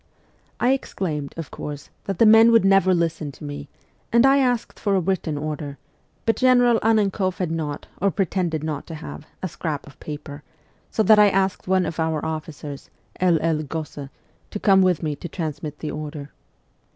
I exclaimed, of course, that the men would never listen to me, and I asked for a written order; but General Annenkoff had not, or pretended not to have, a scrap of paper, so that I asked one of our officers, L. L. Gosse, to come with me to transmit the order.